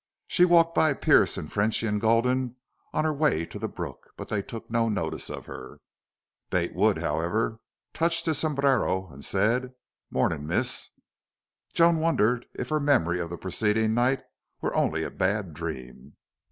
She walked by Pearce and Frenchy and Gulden on her way to the brook, but they took no notice of her. Bate Wood, however, touched his sombrero and said: "Mornin', miss." Joan wondered if her memory of the preceding night were only a bad dream.